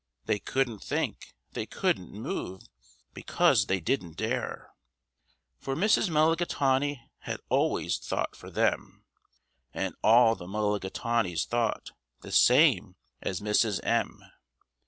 They couldn't think, they couldn't move, because they didn't dare; For Mrs. Mulligatawny had always thought for them, And all the Mulligatawnys thought the same as Mrs. M.